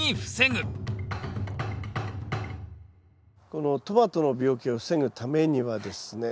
このトマトの病気を防ぐためにはですね。